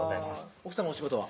奥さまお仕事は？